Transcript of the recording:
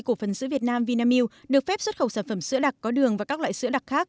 cổ phần sữa việt nam vinamilk được phép xuất khẩu sản phẩm sữa đặc có đường và các loại sữa đặc khác